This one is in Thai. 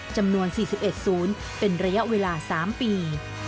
จำนวน๔๑ศูนย์เป็นระยะเวลา๓ปี